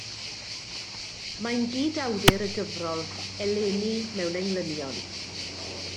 Mae'n gydawdur y gyfrol Eleni Mewn Englynion.